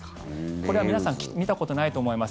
これは皆さん見たことないと思います。